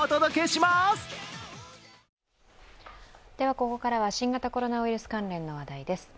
ここからは新型コロナウイルス関連の話題です。